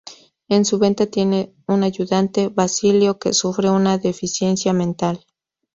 En su venta tiene un ayudante, Basilio, que sufre una deficiencia mental.